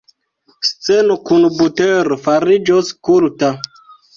Sceno kun butero fariĝos kulta.